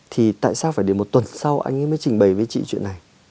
thì tại sao phải để một tuần sau anh ấy mới trình bày về con của chị